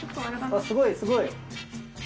すごいすごい。